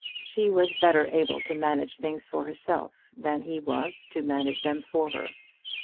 She was better able to manage things for herself than he was to manage them for her.